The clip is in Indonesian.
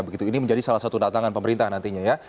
begitu ini menjadi salah satu datangan pemerintah nantinya ya